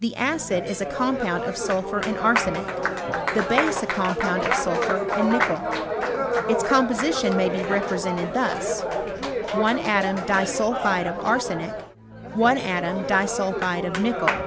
Tlie acid is a compound of sulphur and arsenic, the base a* compound of sulphur and nickel. Its com position may be.represented thus : I atom disulphide of arsenic I atom, disulphide of nickel.